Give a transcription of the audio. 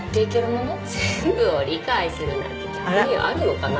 「全部を理解するなんて逆にあるのかな？」